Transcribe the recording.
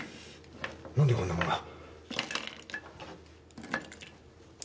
何でこんな物が。